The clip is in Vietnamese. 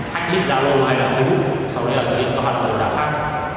hack list giao lô hay là facebook sau đó là tiến hành các hoạt động lừa đảo khác